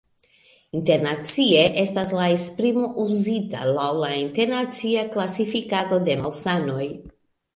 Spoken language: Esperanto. Internacie estas la esprimo uzita laŭ la internacia klasifikado de malsanoj.